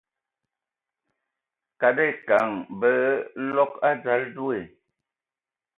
Kada ekan ba log adzal deo.